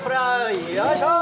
よいしょ！